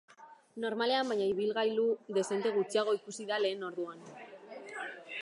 Normalean baino ibilgailu dezente gutxiago ikusi da lehen orduan.